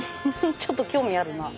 ちょっと興味あるな。